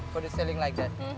bubur kacang hijau